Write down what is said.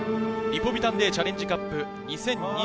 リポビタンＤチャレンジカップ２０２２。